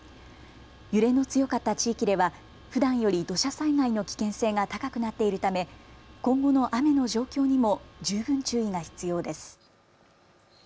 揺れの強かった地域ではふだんより土砂災害の危険性が高くなっているため、今後の雨の状況にも十分注意が必要です。